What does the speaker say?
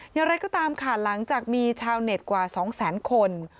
อย่างไรก็ตามค่ะหลังจากมีชาวเน็ตกว่า๒แสนคน